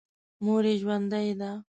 مور یې ژوندۍ ده.